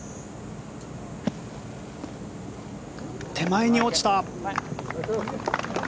手前に落ちた。